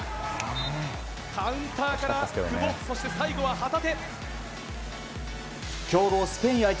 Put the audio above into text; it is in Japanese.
カウンターから久保そして最後は旗手。